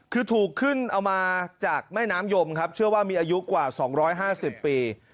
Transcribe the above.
คือถูกขึ้นเอามาจากแม่น้ำยมครับเชื่อว่ามีอายุกว่าสองร้อยห้าสิบปี